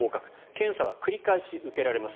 検査は繰り返し受けられます。